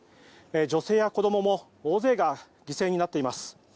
女性や子供も大勢が犠牲になっています。